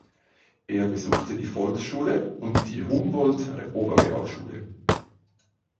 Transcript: Er besuchte die Volksschule und die Humboldt-Oberrealschule.